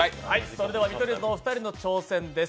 それでは、見取り図のお二人挑戦です。